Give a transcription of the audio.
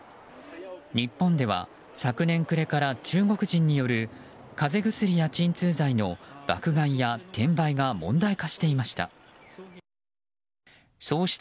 日本では、昨年暮れから中国人による風邪薬や鎮痛剤の爆買いや転売が問題化していました。